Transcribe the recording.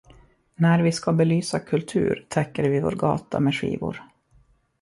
När vi ska belysa kultur täcker vi vår gata med skivor.